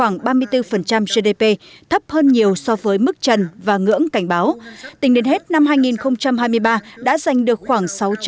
hai mươi bốn gdp thấp hơn nhiều so với mức trần và ngưỡng cảnh báo tình đến hết năm hai nghìn hai mươi ba đã giành được khoảng